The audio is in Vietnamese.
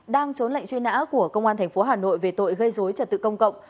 đang trốn lệnh truy nã của công an tp hà nội về tội gây dối trật tự công cộng